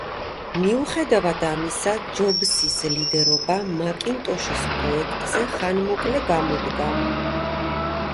მიუხედავად ამისა ჯობსის ლიდერობა მაკინტოშის პროექტზე ხანმოკლე გამოდგა.